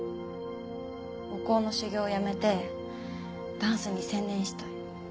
お香の修行をやめてダンスに専念したい。